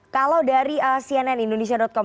kalau dari cnn indonesia com